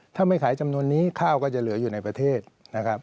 ถ้าไม่ขายจำนวนนี้ข้าวก็จะเหลืออยู่ในประเทศนะครับ